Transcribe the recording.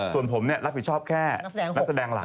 ส่วนผมรับผิดชอบแค่นักแสดงหลัก